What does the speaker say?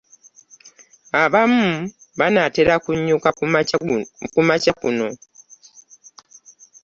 Abamu banaatera na kunnyuka kumakya kuno.